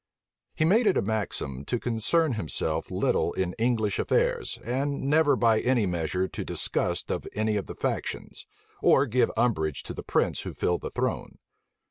He made it a maxim to concern himself little in English affairs, and never by any measure to disgust any of the factions, or give umbrage to the prince who filled the throne.